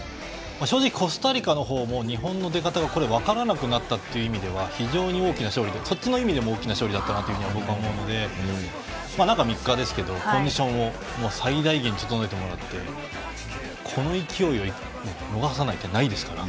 正直コスタリカも日本の出方が分からなくなったという意味ではそっちの意味でも非常に大きな勝利だったと思うので中３日ですがコンディションを最大限、整えてこの勢いを逃さないってないですから。